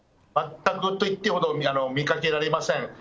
全くと言っていいほど、見かけられません。